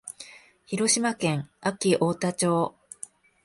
広島県安芸太田町